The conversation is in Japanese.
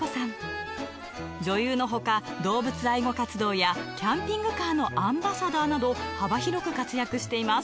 女優のほか動物愛護活動やキャンピングカーのアンバサダーなど幅広く活躍しています。